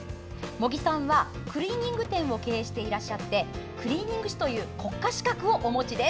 茂木さんがクリーニング店を経営していらっしゃってクリーニング師という国家資格をお持ちです。